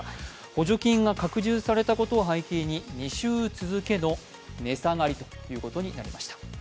補助金が拡充されたことを背景に２週続けての値下がりとなりました。